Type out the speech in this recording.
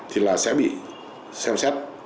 thì sẽ bị xem xét